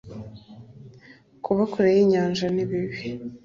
kuba kure y'inyanja nibibi